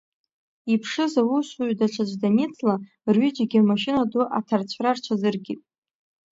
Иԥшыз аусуҩ даҽаӡә даницла, рҩыџьегь амашьына ду аҭарцәра рҽазыркит.